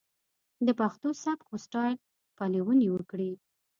د پښتو سبک و سټايل پليوني وکړي.